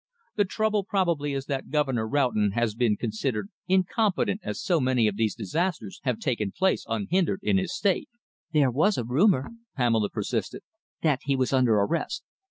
"The trouble probably is that Governor Roughton has been considered incompetent as so many of these disasters have taken place unhindered in his State." "There was a rumour," Pamela persisted, "that he was under arrest."